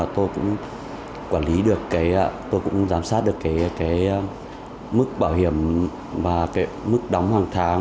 tôi cũng quản lý được tôi cũng giám sát được mức bảo hiểm và mức đóng hàng tháng